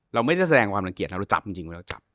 เราไม่ได้แสดงความดังเกลียดเราจับจริง